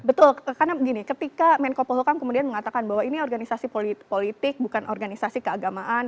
betul karena begini ketika menko polhukam kemudian mengatakan bahwa ini organisasi politik bukan organisasi keagamaan